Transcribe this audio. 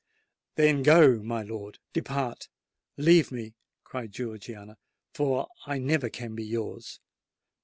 "Then go, my lord—depart—leave me!" cried Georgiana; "for I never can be yours!"